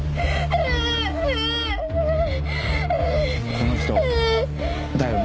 この人だよね？